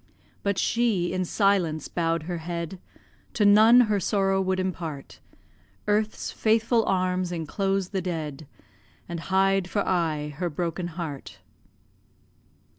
"But she in silence bowed her head, To none her sorrow would impart; Earth's faithful arms enclose the dead, And hide for aye her broken heart!"